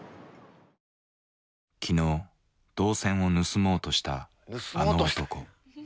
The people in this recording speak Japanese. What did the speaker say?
昨日銅線を盗もうとしたあの男。